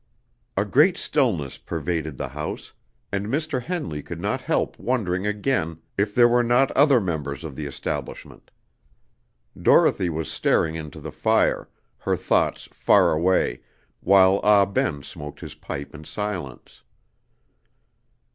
A great stillness pervaded the house, and Mr. Henley could not help wondering again if there were not other members of the establishment. Dorothy was staring into the fire, her thoughts far away, while Ah Ben smoked his pipe in silence.